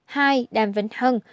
hai đàm vĩnh hân